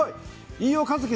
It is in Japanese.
飯尾和樹